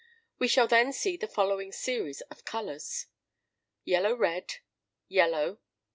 We shall then see the following series of colours: Yellow red. Yellow.